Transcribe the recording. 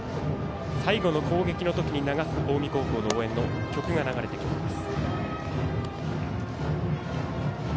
最後の攻撃の時に流す近江高校の応援の曲が流れています。